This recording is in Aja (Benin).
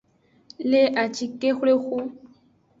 Le acikexwlexu.